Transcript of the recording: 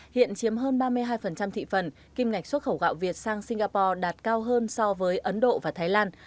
hiện chiếm hơn ba mươi hai thị phần kim ngạch xuất khẩu gạo việt sang singapore đạt cao hơn so với ấn độ và thái lan